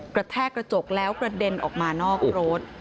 แทกกระจกแล้วกระเด็นออกมานอกรถ